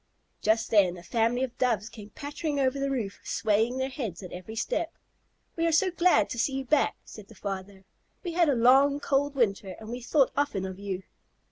Just then a family of Doves came pattering over the roof, swaying their heads at every step. "We are so glad to see you back," said the father. "We had a long, cold winter, and we thought often of you."